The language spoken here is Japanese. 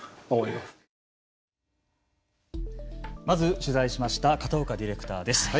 まず取材しました片岡ディレクターです。